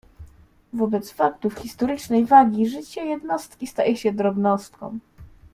"Wobec faktów historycznej wagi życie jednostki staje się drobnostką."